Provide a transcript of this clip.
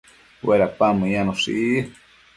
Uedapan meyanoshi